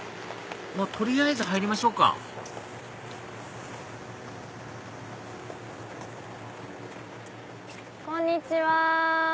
取りあえず入りましょうかこんにちは。